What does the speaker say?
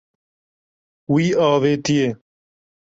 Wî avêtiye.